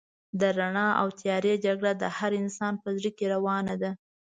د رڼا او تيارې جګړه د هر انسان په زړه کې روانه ده.